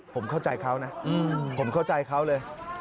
ผมเข้าใจเขานะผมเข้าใจเขาเลย